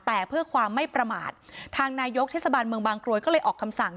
แต่เพื่อความไม่ประมาททางนายกเทศบาลเมืองบางกรวยก็เลยออกคำสั่ง